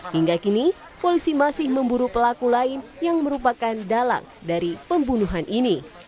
hingga kini polisi masih memburu pelaku lain yang merupakan dalang dari pembunuhan ini